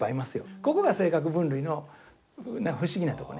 ここが性格分類の不思議なとこね。